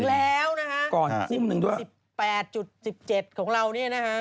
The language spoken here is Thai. ถึงแล้วนะฮะ๑๘๑๗ของเรานี่นะฮะ